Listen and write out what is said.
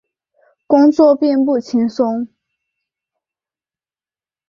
工作并不轻松